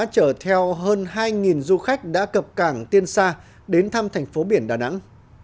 chở theo hơn hai du khách đã cập cảng tiên sa đến thăm thành phố biển đà nẵng